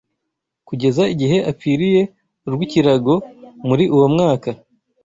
kugeza igihe apfiriye urw’ikirago muri uwo mwaka